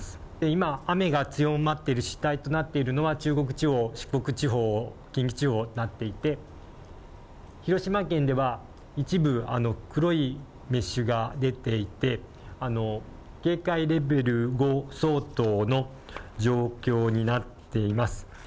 今、雨が強まっている主体となっているのは中国地方、四国地方、近畿地方となっていて、広島県では一部、黒いメッシュが出ていて、警戒レベル５相当の状況になっています。